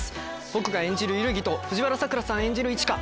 僕が演じる萬木と藤原さくらさん演じる一花。